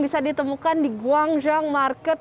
bisa ditemukan di guangzhong market